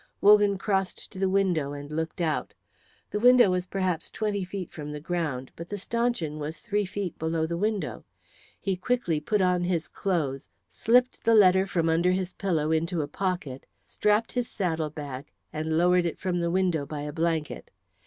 Wogan crossed to the window and looked out. The window was perhaps twenty feet from the ground, but the stanchion was three feet below the window. He quickly put on his clothes, slipped the letter from under his pillow into a pocket, strapped his saddle bag and lowered it from the window by a blanket.